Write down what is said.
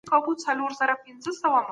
مشاورینو به د هر فرد خوندیتوب باوري کړی وي.